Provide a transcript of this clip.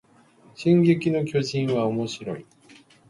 進撃の巨人はおもしろい